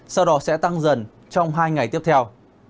sau đó sẽ tăng dần trong hai ngày tiếp theo